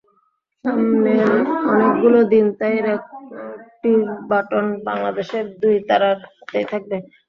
সামনের অনেকগুলো দিন তাই রেকর্ডটির ব্যাটন বাংলাদেশের দুই তারার হাতেই থাকবে।